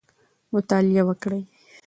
مطالعه وکړئ.